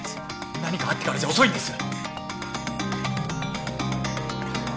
何かあってからじゃ遅いんです！